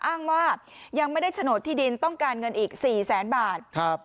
อ้างว่ายังไม่ได้โฉนดที่ดินต้องการเงินอีก๔แสนบาทครับ